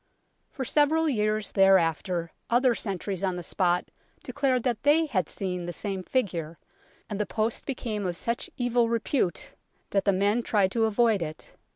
For several years thereafter other sentries on the spot declared that they had seen the same figure, and the post became of such evil repute that the men tried to avoid it.